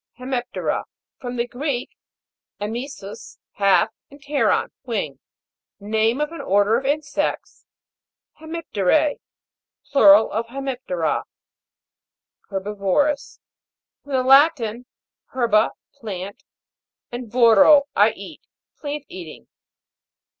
HEMIP'TERA. From the Greek, Vmt SMS, half, and pteron, wing. Name of an order of insects. HEMIP'TERA. Plural of Hsemip'tera. HERBI'VOROUS. From the Latin, herba, plant, and coro, I eat. Plant eating.